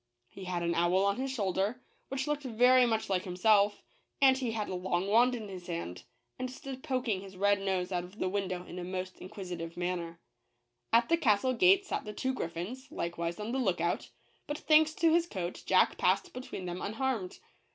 He had an owl on his shoulder, which looked very much like 182 JACK THE GIANT KILLER. himself ; and he had a long wand in his hand ; and stood poking his red nose out of the window in a most inquisitive manner. At the castle gate sat the two griffins, likewise on the look out ; but thanks to his coat Jack passed between them unharmed.